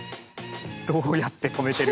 どうやって止めてる。